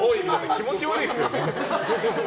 気持ち悪いですよね。